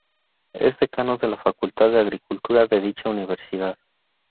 Es decano de la Facultad de Agricultura, de dicha Universidad